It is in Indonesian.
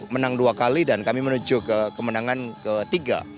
menang dua kali dan kami menuju ke kemenangan ketiga